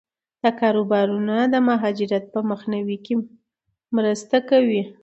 دا کاروبارونه د مهاجرت په مخنیوي کې مرسته کوي.